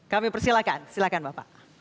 kami persilakan silakan bapak